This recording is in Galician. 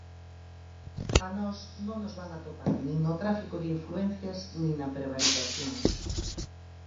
A nós non nos van atopar nin no tráfico de influencias nin na prevaricación.